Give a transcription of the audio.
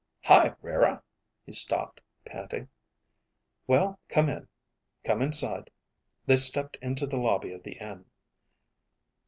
"Hi, Rara." He stopped, panting. "Well, come in," she said. "Come inside." They stepped into the lobby of the inn.